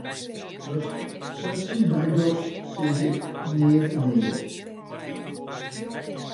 Asto sa tsjin my dochst, sis ik neat mear.